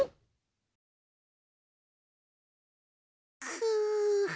くう！